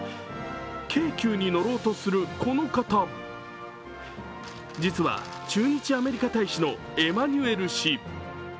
京急に乗ろうとする、この方、実は駐日アメリカ大使のエマニュエル氏。